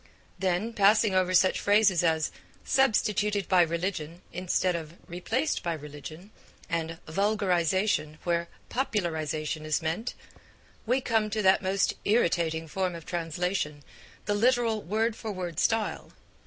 Then, passing over such phrases as 'substituted by religion' instead of 'replaced by religion,' and 'vulgarisation' where 'popularisation' is meant, we come to that most irritating form of translation, the literal word for word style.